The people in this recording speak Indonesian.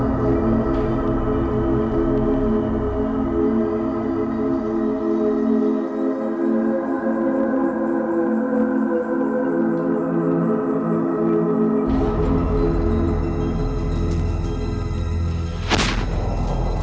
aku ingin memberitahu sesuatu padamu